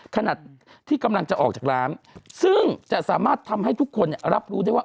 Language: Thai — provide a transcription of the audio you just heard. ขนาดที่กำลังจะออกจากร้านซึ่งจะสามารถทำให้ทุกคนรับรู้ได้ว่า